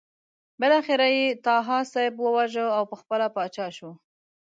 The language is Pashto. بالاخره یې طاهاسپ وواژه او پخپله پاچا شو.